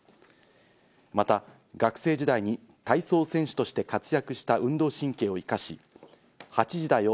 また学生時代に体操選手として活躍した運動神経を生かし、『８時だョ！